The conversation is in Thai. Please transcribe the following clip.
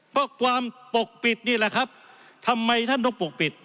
เพราะความปกปิดนี่แหละครับทำไมท่านต้องปกปิด